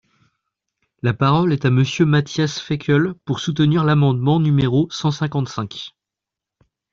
La parole est à Monsieur Matthias Fekl, pour soutenir l’amendement numéro cent cinquante-cinq.